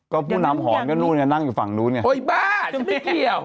ก็ผู้นำหอนก็นู่นไงนั่งอยู่ฝั่งนู้นไงโอ๊ยบ้าฉันไม่เกี่ยว